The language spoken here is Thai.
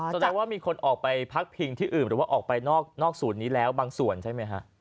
แสดงว่ามีคนออกไปพักพิงที่อื่นหรือว่าออกไปนอกศูนย์นี้แล้วบางส่วนใช่ไหมฮะ